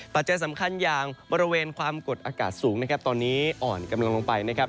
ปัจจัยสำคัญอย่างบริเวณความกดอากาศสูงนะครับตอนนี้อ่อนกำลังลงไปนะครับ